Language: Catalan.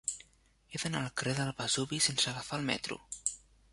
He d'anar al carrer del Vesuvi sense agafar el metro.